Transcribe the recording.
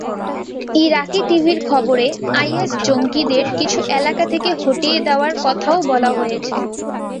ইরাকি টিভির খবরে আইএস জঙ্গিদের কিছু এলাকা থেকে হটিয়ে দেওয়ার কথাও বলা হয়েছে।